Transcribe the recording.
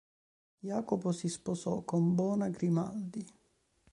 Jacopo si sposò con Bona Grimaldi.